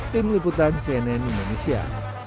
tim liputan cnn indonesia